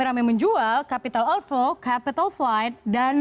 kan mulai ngeluarin